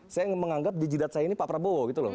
saya menganggap di jidat saya ini pak prabowo gitu loh